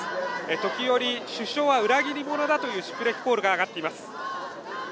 時折首相は裏切り者だというシュプレヒコールが上がっています